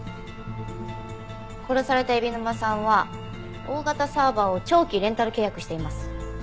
殺された海老沼さんは大型サーバーを長期レンタル契約しています。